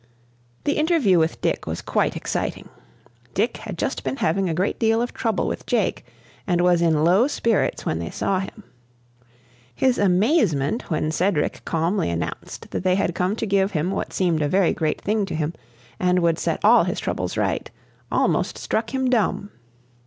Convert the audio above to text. The interview with Dick was quite exciting. Dick had just been having a great deal of trouble with Jake, and was in low spirits when they saw him. His amazement when Cedric calmly announced that they had come to give him what seemed a very great thing to him, and would set all his troubles right, almost struck him dumb.